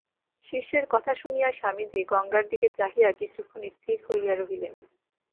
শিষ্যের কথা শুনিয়া স্বামীজী গঙ্গার দিকে চাহিয়া কিছুক্ষণ স্থির হইয়া রহিলেন।